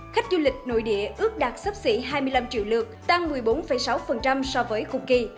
khách du lịch nội địa ước đạt sấp xỉ hai mươi năm triệu lượt tăng một mươi bốn sáu so với cùng kỳ